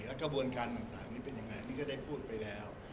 กระบวนการต่างนี้เป็นยังไงนี่ก็ได้พูดไปแล้ว